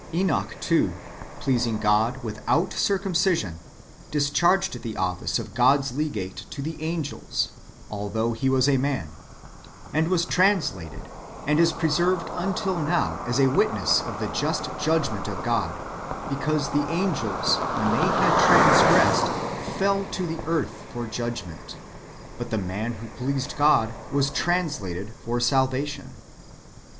Enoch, too, pleasing God, without circumcision, discharged the office of God's legate to the angels although he was a man, and was translated, and is preserved until now as a witness of the just judgment of God, because the angels when they had transgressed fell to the earth for judgment, but the man who pleased [God] was translated for salvation."